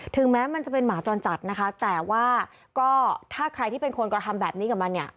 แม้มันจะเป็นหมาจรจัดนะคะแต่ว่าก็ถ้าใครที่เป็นคนกระทำแบบนี้กับมันเนี่ย